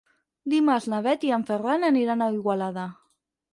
Dimarts na Bet i en Ferran aniran a Igualada.